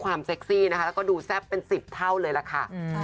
เซ็กซี่นะคะแล้วก็ดูแซ่บเป็น๑๐เท่าเลยล่ะค่ะ